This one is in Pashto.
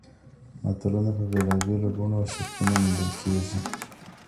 متلونه په بېلابېلو بڼو او شکلونو موندل کیږي